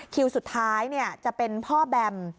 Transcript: คิวสุดท้ายจะเป็นพ่อแบม